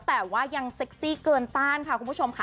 แต่ว่ายังเซ็กซี่เกินต้านค่ะคุณผู้ชมค่ะ